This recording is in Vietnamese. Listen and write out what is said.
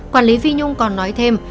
quản lý phi nhung còn nói thêm